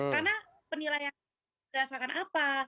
karena penilaian berdasarkan apa